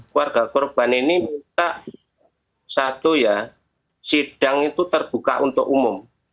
keluarga korban ini minta satu ya sidang itu terbuka untuk umum